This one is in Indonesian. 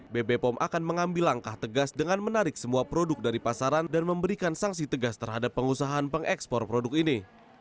bb pom akan mengambil langkah tegas dengan menarik semua produk dari pasaran dan memberikan sanksi tegas terhadap pengusahaan pengekspor produk ini